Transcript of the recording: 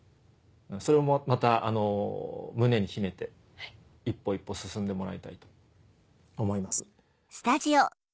それもまた胸に秘めて一歩一歩進んでもらいたいと思います。